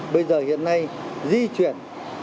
bây giờ hiện nay di chuyển